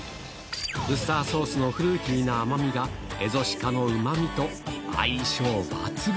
ウスターソースのフルーティーな甘みが、蝦夷鹿のうまみと相性抜群。